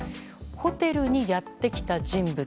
ホテルにやってきた人物。